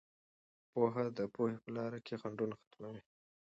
پوهه د پوهې په لاره کې خنډونه ختموي.